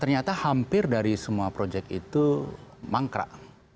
jadi semua proyek itu mangkrak